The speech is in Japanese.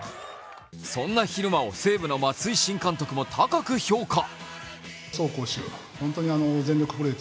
そんな蛭間を西武の松井新監督も高く評価。